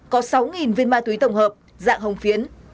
có sáu viên ma túy tổng hợp dạng hồng phiến